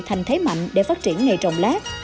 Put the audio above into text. thành thế mạnh để phát triển nghề trồng lát